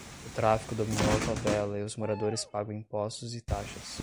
O tráfico dominou a favela e os moradores pagam impostos e taxas